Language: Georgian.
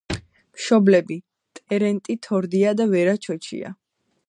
მშობლები: ტერენტი თორდია და ვერა ჩოჩია.